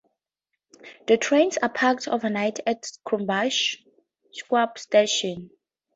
The trains are parked overnight at Krumbach (Schwab) station.